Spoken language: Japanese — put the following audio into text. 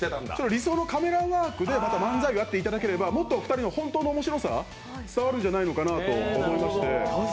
理想のカメラワークで漫才をやっていただければ、もっと２人の本当の面白さが伝わるんじゃないかと思いまして。